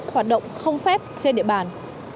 hoạt động không phép trên địa bàn